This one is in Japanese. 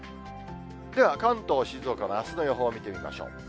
では、関東、静岡のあすの予報見てみましょう。